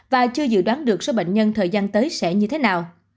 và chưa dự đoán được số bệnh nhân thời gian tới sẽ như thế nào